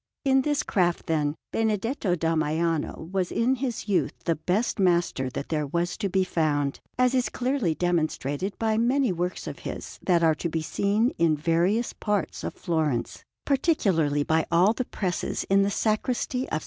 In this craft, then, Benedetto da Maiano was in his youth the best master that there was to be found, as is clearly demonstrated by many works of his that are to be seen in various parts of Florence, particularly by all the presses in the Sacristy of S.